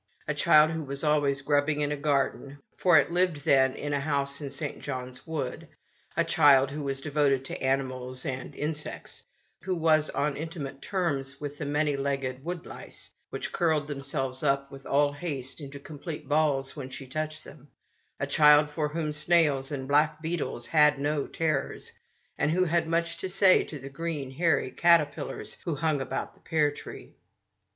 A child who was al ways grubbing in a garden, for it lived then in a house in St. John's Wood ; a child who was devoted to animals and insects, who was on intimate terms with the many legged wood lice, which curled themselves up with all haste into complete balls when she touched them ; a child for whom snails and black beetles had no terrors, and who had much to say to the fat, hairy caterpillars which hung about the pear tree.